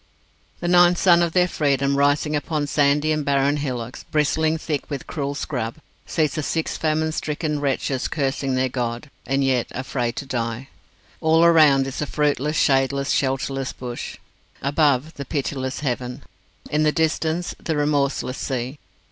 The ninth sun of their freedom, rising upon sandy and barren hillocks, bristling thick with cruel scrub, sees the six famine stricken wretches cursing their God, and yet afraid to die. All around is the fruitless, shadeless, shelterless bush. Above, the pitiless heaven. In the distance, the remorseless sea.